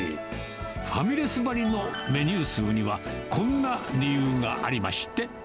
ファミレスばりのメニュー数には、こんな理由がありまして。